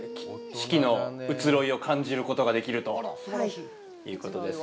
四季の移ろいを感じることができるということです。